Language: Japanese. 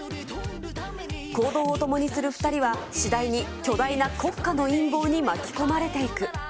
行動をともにする２人は、次第に巨大な国家の陰謀に巻き込まれていく。